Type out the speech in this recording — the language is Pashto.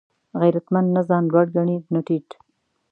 غیرتمند نه ځان لوړ ګڼي نه ټیټ